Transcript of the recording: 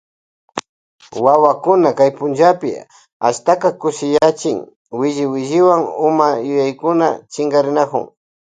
Wawakunaka kay punllakunapi ashtaka kushiyachiy williwilliwan huma yuyaykuna chinkarinakun.